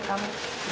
nih makanan buat kamu